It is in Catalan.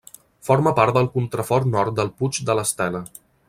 Forma part del contrafort nord del Puig de l'Estela.